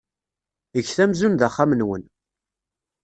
Get amzun d axxam-nwen.